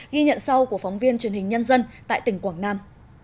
ghi nhận sau của phóng viên truyền hình nhân dân tại tỉnh quảng nam